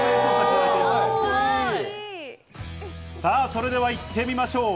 それでは行ってみましょう！